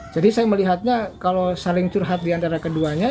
jadi saya melihatnya kalau saling curhat di antara keduanya